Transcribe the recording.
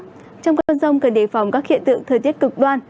trong cơn rông cần đề phòng các hiện tượng thời tiết cực đoan